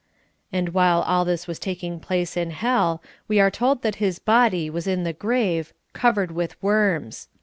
' And while all this was taking place in hell, we are told that his body was in the grave *' covered with worms.